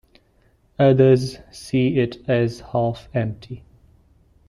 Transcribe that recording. Others see it as half empty.